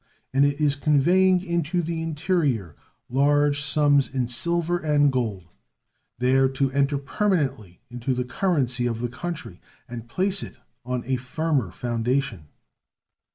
And it is conveying into the interior large sums in silver and gold, there to enter permanently into the currency of the country and place it on a firmer foundation.